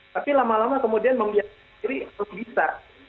tapi lama lama kemudian membiarkan sendiri harus bisa